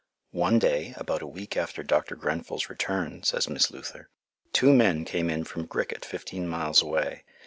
"One day, about a week after Dr. Grenfell's return," says Miss Luther, "two men came in from Griquet, fifteen miles away.